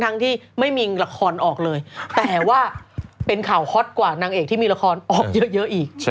ทั้งที่ไม่มีละครออกเลยแต่ว่าเป็นข่าวฮอตกว่านางเอกที่มีละครออกเยอะอีก